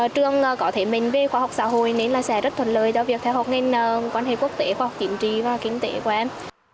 trường có thể mênh viên khoa học xã hội nên là sẽ rất thuận lợi cho việc theo học ngành quan hệ quốc tế khoa học kiểm trí và kiến tế của em